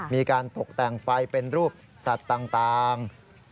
มีการตกแต่งไฟเป็นรูปสัตว์ต่าง